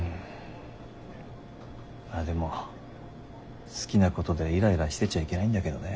まあでも好きなことでイライラしてちゃいけないんだけどね。